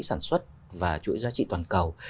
sản xuất và chuỗi giá trị toàn cầu